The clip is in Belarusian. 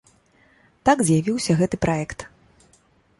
Так з'явіўся гэты праект.